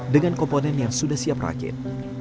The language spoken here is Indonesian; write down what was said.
dengan komponen yang sudah siap rakit